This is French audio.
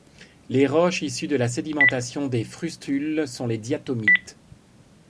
Les roches issues de la sédimentation des frustules sont les diatomites.